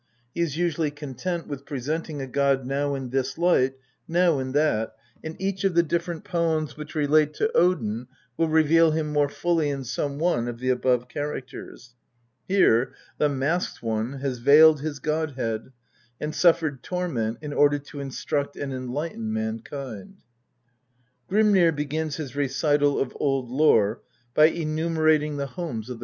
He is usually content with presenting a god now in this light, now in that, and each of the different poems which relate to Odin will reveal him more fully in some one of the above characters. Here the " Masked One " has veiled his god head and suffered torment in order to instruct and enlighten mankind. Grimnir begins his recital of old lore by enumerating the homes of INTRODUCTION.